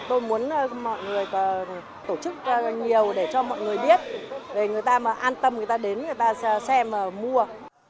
tôi muốn mọi người tổ chức nhiều để cho mọi người biết để người ta mà an tâm người ta đến người ta xem mua